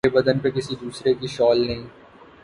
مرے بدن پہ کسی دوسرے کی شال نہیں